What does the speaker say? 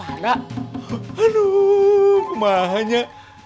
aduh ketuhar hanya